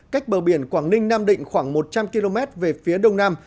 cách bờ biển quảng ninh nam định khoảng một trăm linh km về phía đông nam